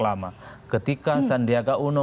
lama ketika sandiaga uno